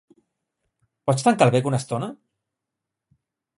Pots tancar el bec una estona?